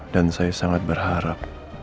dan saya sangat berharap